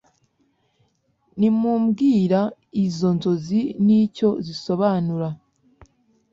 nimumbwira izo nzozi n icyo zisobanura